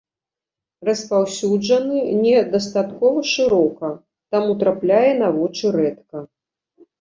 Распаўсюджаны не дастаткова шырока, таму трапляе на вочы рэдка.